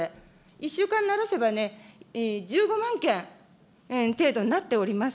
１週間ならせばね、１５万件程度になっております。